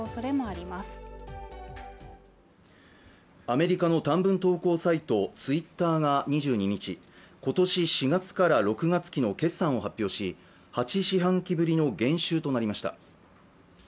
アメリカの短文投稿サイト、ツイッターが２２日、今年４月から６月期の決算を発表し８四半期ぶりの減収となりました。